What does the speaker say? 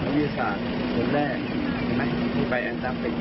วิทยาศาสตร์ส่วนแรกมีไปแอลตรัมปิก